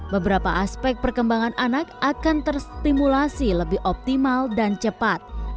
beberapa aspek perkembangan anak akan terstimulasi lebih optimal dan cepat